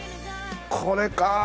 これかあ。